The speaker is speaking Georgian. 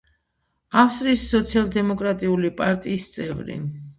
ავსტრიის სოციალ-დემოკრატიული პარტიის წევრი.